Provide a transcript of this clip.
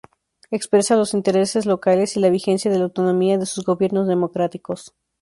Expresa los intereses locales y la vigencia de la autonomía de sus gobiernos democráticos.